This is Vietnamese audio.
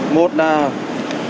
một vi tài liệu